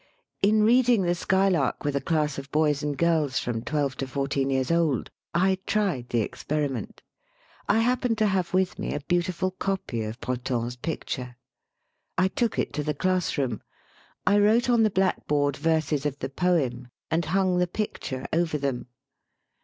In reading the "Skylark" with a class of boys and girls from twelve to fourteen years old, I tried the experiment. I happened to have with me a beautiful copy of Breton's picture. I took it to the class room. I wrote on the blackboard verses of the poem and hung the picture over them.